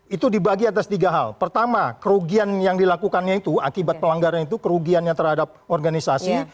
itu dibagi atas tiga hal pertama kerugian yang dilakukannya itu akibat pelanggaran itu kerugiannya terhadap organisasi